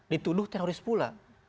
dituduh teroris pula